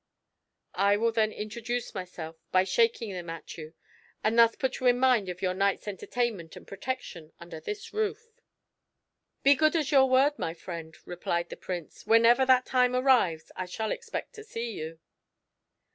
I will then introduce myself by shaking them at you, and thus put you in mind of your night's entertainment and protection under this roof." "Be as good as your word, my friend," replied the Prince: "whenever that time arrives I shall expect to see you."